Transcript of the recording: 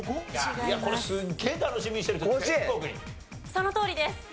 そのとおりです。